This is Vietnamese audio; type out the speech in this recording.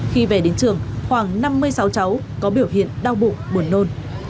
khi về đến trường khoảng năm mươi sáu cháu có biểu hiện đau bụng buồn nôn